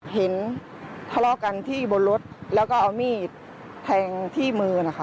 เห็นทะเลาะกันที่บนรถแล้วก็เอามีดแทงที่มือนะคะ